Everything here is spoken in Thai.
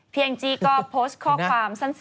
พี่แองจิก็โพสต์ข้อความสั้นหรอ